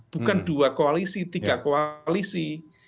bukan dua koalisi tiga koalisi